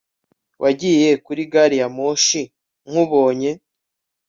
Wagiye kuri gari ya moshi nkubonye